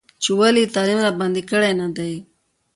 چې ولې یې تعلیم راباندې کړی نه دی.